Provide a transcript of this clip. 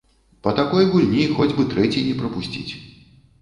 Па такой гульні хоць бы трэці не прапусціць.